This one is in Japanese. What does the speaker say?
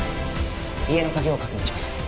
家の鍵を確認します。